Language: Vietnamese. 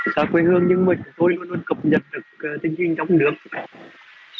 xã quế hương nhưng mà chúng tôi luôn luôn cập nhật được tình trình trong nước